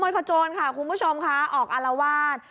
ขโมยกระโจนค่ะคุณผู้ชมค่ะออกอารวาส